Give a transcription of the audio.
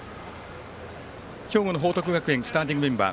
兵庫の報徳学園スターティングメンバー。